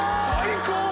最高！